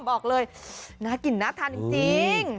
บอกเลยน่ากินน่ากินน่ากินจริง